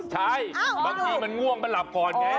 ใช่บางทีมันง่วงมันหลับก่อนไง